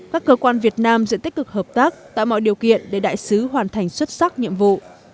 các cơ quan việt nam sẽ tích cực hợp tác tạo mọi điều kiện để đại sứ hoàn thành xuất sắc nhiệm vụ